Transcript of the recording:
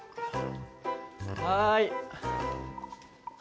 はい。